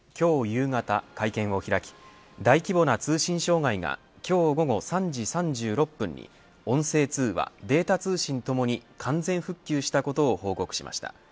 夕方会見を開き大規模な通信障害が今日午後３時３６分に音声通話、データ通信ともに完全復旧したことを報告しました。